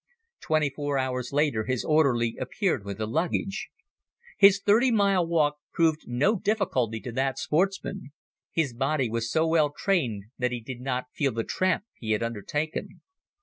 Twenty four hours later his orderly appeared with the luggage. His thirty mile walk proved no difficulty to that sportsman. His body was so well trained that he did not feel the tramp he had undertaken.